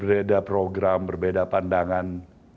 berbeda program berbeda pandangan